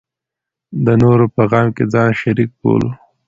د نورو په غم کې ځان شریک بولو.